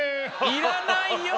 いらないの！